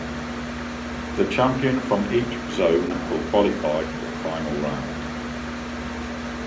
The champion from each zone will qualify for the final round.